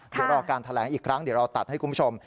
เดี๋ยวรอการแถลงอีกครั้งเดี๋ยวเราตัดให้คุณผู้ชม